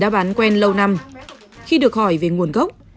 đã bán quen lâu năm khi được hỏi về nguồn gốc